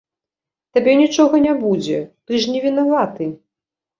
Табе нічога не будзе, ты ж не вінаваты.